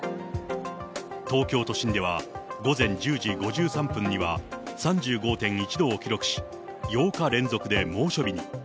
東京都心では、午前１０時５３分には３５．１度を記録し、８日連続で猛暑日に。